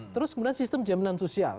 terus kemudian sistem jaminan sosial